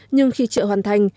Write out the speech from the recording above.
nhưng khi chợ hoàn thành